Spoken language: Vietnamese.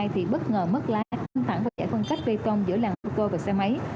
thì bất ngờ mất lái thân thẳng và chảy phân cách bê tông giữa làng bucco và xe máy